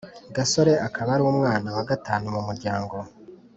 Gasore akaba ari umwana wa gatanu mu muryango